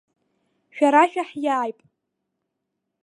Шәара шәаҳиааит.